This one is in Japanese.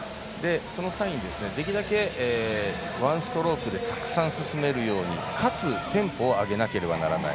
その際にできるだけワンストロークでたくさん進めるようにかつテンポを上げなければならない。